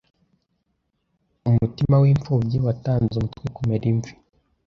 umutima w’imfubyi watanze umutwe kumera imvi,